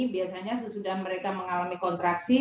biasanya sesudah mereka mengalami kontraksi